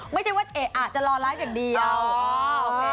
ไม่ใช่ว่าเอ๊ะอ่ะจะรอไลฟ์อย่างเดียว